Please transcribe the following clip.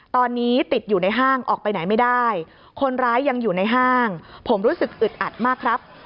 ตอนนี้ติดอยู่ในห้างออกไปไหนไม่ได้คนร้ายยังอยู่ในห้างผมรู้สึกอึดอัดมากครับ